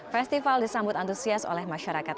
festival diadakan untuk memperingati letusan gunung berapi